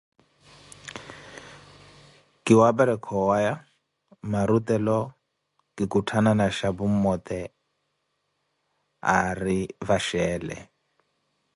Kiwaperekhaka owaya, marutelo kikutthanana xhapu mmote ari vaxeele.